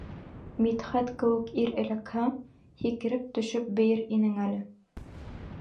Мидхәт кеүек ир эләкһә, һикереп төшөп бейер инең әле!